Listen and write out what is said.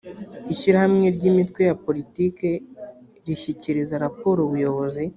ishyirahamwe ry’imitwe ya politiki rishyikiriza raporo ubuyobozi